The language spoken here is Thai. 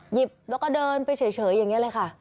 หยิบแล้วก็เดินไปเฉยอย่างนี้เลยค่ะ